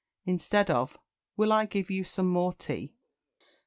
Instead of "Will I give you some more tea?"